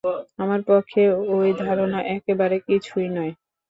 আমার পক্ষে ঐ ধারণা একেবারে কিছুই নয়।